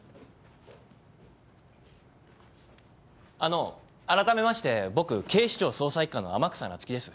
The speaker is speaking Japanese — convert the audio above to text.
あのあらためまして僕警視庁捜査一課の天草那月です。